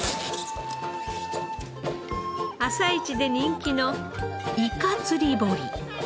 朝市で人気のイカ釣り堀。